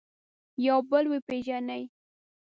یو بل وپېژني.